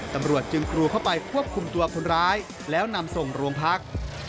ตำรวจจึงกรูเข้าไปควบคุมตัวคนร้ายแล้วนำส่งโรงพัก